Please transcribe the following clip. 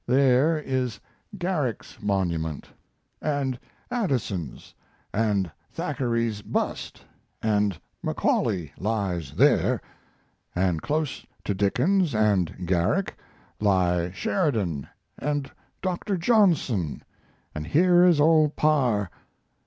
There is Garrick's monument; and Addison's, and Thackeray's bust and Macaulay lies there. And close to Dickens and Garrick lie Sheridan and Dr. Johnson and here is old Parr....